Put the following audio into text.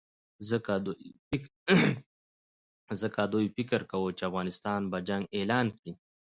ځکه دوی فکر کاوه چې افغانستان به جنګ اعلان کړي.